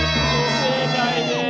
不正解です。